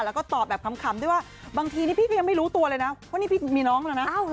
แล้วก็ตอบแบบขำด้วยว่าบางทีนี่พี่ก็ยังไม่รู้ตัวเลยนะว่านี่พี่มีน้องแล้วนะ